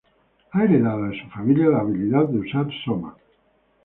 Ha heredado de su familia la habilidad de usar Soma.